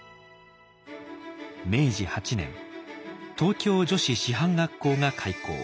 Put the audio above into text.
明治８年東京女子師範学校が開校。